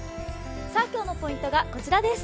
今日のポイントがこちらです。